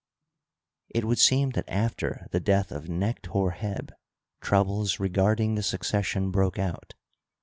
— It would seem that after the death of Necht Hor heb, troubles re garding the succession broke out.